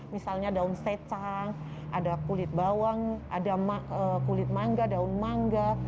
misalnya daun secang ada kulit bawang ada kulit mangga daun mangga